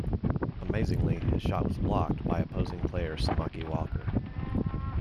Amazingly, his shot was blocked by opposing player Samaki Walker.